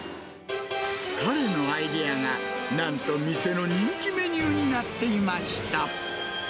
彼のアイデアがなんと店の人気メニューになっていました。